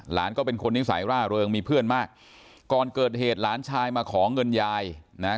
ก็เป็นคนนิสัยร่าเริงมีเพื่อนมากก่อนเกิดเหตุหลานชายมาขอเงินยายนะฮะ